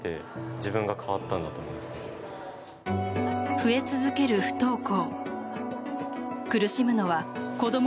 増え続ける不登校。